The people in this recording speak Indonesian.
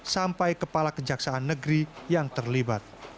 sampai kepala kejaksaan negeri yang terlibat